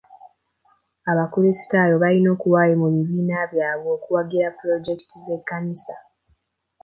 Abakulisitaayo balina okuwaayo mu bibiina byabwe okuwagira pulojekiti z'ekkanisa.